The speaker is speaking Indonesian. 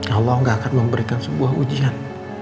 allah gak akan memberikan sebuah ujian